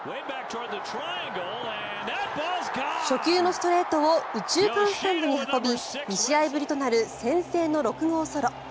初球のストレートを右中間スタンドに運び２試合ぶりとなる先制の６号ソロ。